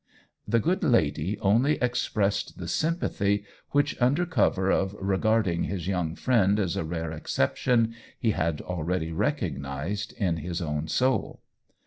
the good lady only expressed the sympathy which, under cover of regarding his young friend as a rare exception, he had already recog nized in his own soul.